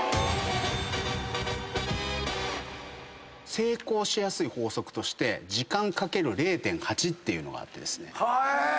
成功しやすい法則として時間×０．８っていうのがあってですね。